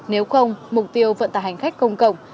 nếu không mục tiêu vận tải hành khách công cộng